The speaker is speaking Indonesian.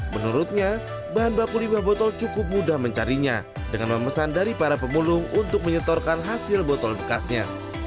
menurutnya bahan baku limbah botol cukup mudah mencarinya dengan memesan dari para pemulung untuk menyetorkan hasil botol bekasnya